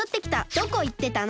どこいってたの！？